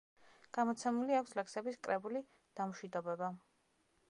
გამოცემული აქვს ლექსების კრებული „დამშვიდობება“.